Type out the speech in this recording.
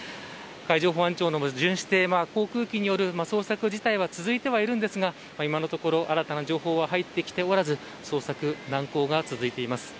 海上保安庁の航空機による捜索自体は続いていますが今のところ新たな情報は入ってきておらず捜索、難航が続いています。